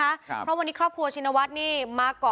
คุณวราวุฒิศิลปะอาชาหัวหน้าภักดิ์ชาติไทยพัฒนา